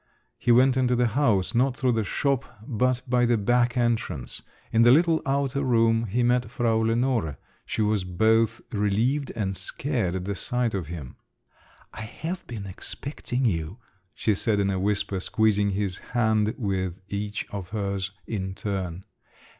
He went into the house, not through the shop, but by the back entrance. In the little outer room he met Frau Lenore. She was both relieved and scared at the sight of him. "I have been expecting you," she said in a whisper, squeezing his hand with each of hers in turn.